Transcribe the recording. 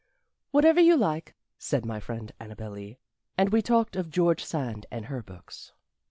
"Whatever you like," said my friend Annabel Lee. And we talked of George Sand and her books.